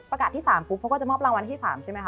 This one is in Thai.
ประกาศที่สามปุ๊บเขาก็จะมอบรางวัลที่สามใช่ไหมคะ